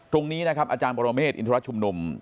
ตรงนี้นะครับอาจารย์ปรเมฆอินทรชุมนุม